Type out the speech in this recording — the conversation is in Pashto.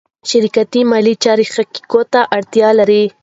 شرکتي مالي چارې حقایقو ته اړتیا لري.